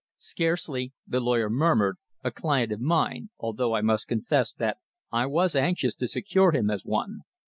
"Scarcely," the lawyer murmured, "a client of mine, although I must confess that I was anxious to secure him as one.